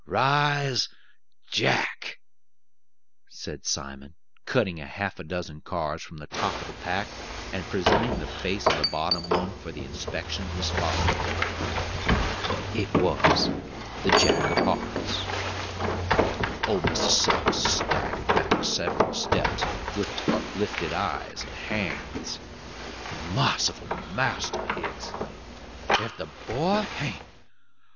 Rise, Jack!" said Simon, cutting half a dozen cards from the top of the pack, and presenting the face of the bottom one for the inspection of his father. It was the Jack of hearts! Old Mr. Suggs staggered back several steps, with uplifted eyes and hands! "Marciful master!" he exclaimed, "ef the boy hain't!